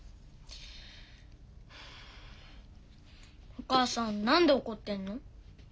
お母さん何で怒ってんの？